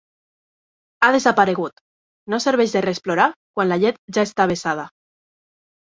Ha desaparegut, no serveix de res plorar quan la llet ja està vessada